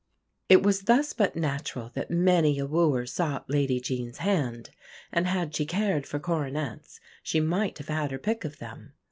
It was thus but natural that many a wooer sought Lady Jean's hand; and had she cared for coronets she might have had her pick of them.